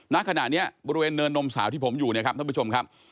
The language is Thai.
ณขณะนี้บริเวณเนินนมสาวที่ผมอยู่เนี่ยครับท่านผู้ชมครับ